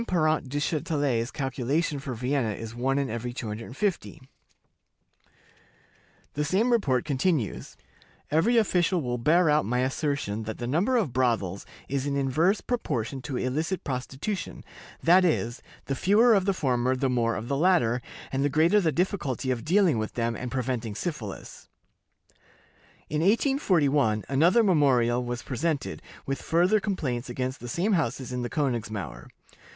Parent Duchatelet's calculation for Vienna is 1 in every 250." The same report continues: "Every official will bear out my assertion that the number of brothels is in inverse proportion to illicit prostitution; that is, the fewer of the former, the more of the latter, and the greater the difficulty of dealing with them, and preventing syphilis." In 1841 another memorial was presented, with further complaints against the same houses in the Königsmauer.